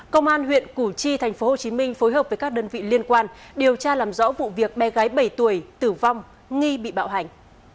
công an huyện củ chi tp hcm phối hợp với các đơn vị liên quan điều tra làm rõ vụ việc bé gái bảy tuổi tử vong nghi bị bạo hành